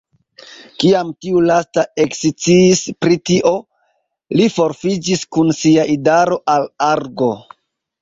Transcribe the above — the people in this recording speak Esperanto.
Kiam tiu lasta eksciis pri tio, li forfuĝis kun sia idaro al Argo.